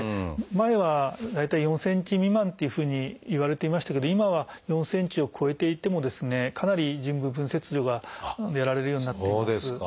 前は大体４ｃｍ未満っていうふうにいわれていましたけど今は４ｃｍを超えていてもですねかなり腎部分切除がやられるようになっています。